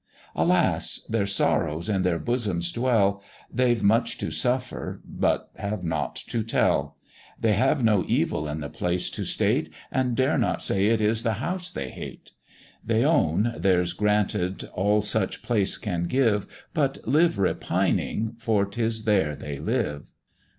Alas! their sorrows in their bosoms dwell; They've much to suffer, but have nought to tell; They have no evil in the place to state, And dare not say it is the house they hate: They own there's granted all such place can give, But live repining, for 'tis there they live.